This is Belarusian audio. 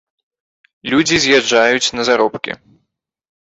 Людзі з'язджаюць на заробкі.